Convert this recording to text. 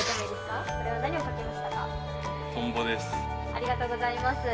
ありがとうございます。